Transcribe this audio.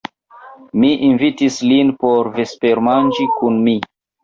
Mi invitis lin por vespermanĝi kun mi.